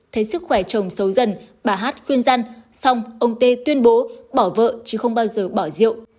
thấy sức khỏe chồng xấu dần bà hát khuyên răn xong ông tê tuyên bố bỏ vợ chứ không bao giờ bỏ rượu